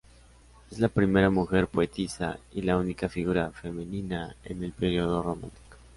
Es la primera mujer poetisa y la única figura femenina en el período romántico.